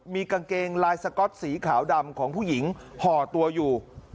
มีกางเกงลายสก๊อตสีขาวดำของผู้หญิงห่อตัวอยู่